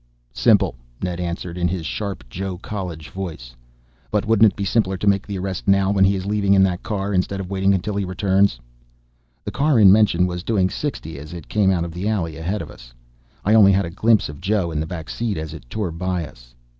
"Simple," Ned answered in his sharp Joe college voice. "But wouldn't it be simpler to make the arrest now, when he is leaving in that car, instead of waiting until he returns?" The car in mention was doing sixty as it came out of the alley ahead of us. I only had a glimpse of Joe in the back seat as it tore by us.